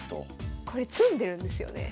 これ詰んでるんですよね。